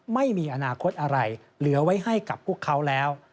ไม่มีอนาคตอะไรเหลือไว้ให้กับพวกเขาแล้ว